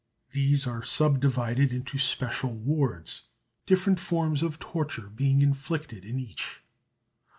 These are sub divided into special wards, different forms of torture being inflicted in each.